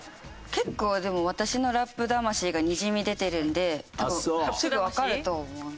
結構でも私のラップ魂がにじみ出てるので多分すぐわかると思いますけどね。